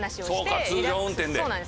そうか通常運転で。